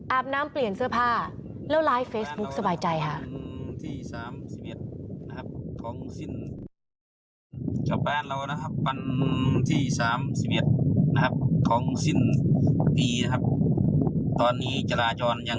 น้ำเปลี่ยนเสื้อผ้าแล้วไลฟ์เฟซบุ๊คสบายใจค่ะ